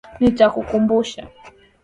Nitakukumbushia.